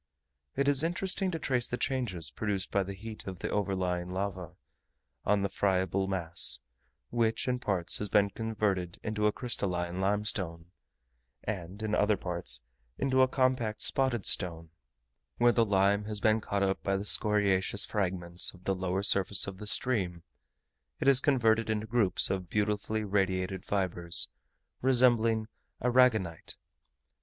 It is interesting to trace the changes produced by the heat of the overlying lava, on the friable mass, which in parts has been converted into a crystalline limestone, and in other parts into a compact spotted stone Where the lime has been caught up by the scoriaceous fragments of the lower surface of the stream, it is converted into groups of beautifully radiated fibres resembling arragonite.